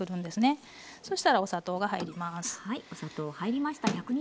そしたらお砂糖が入ります。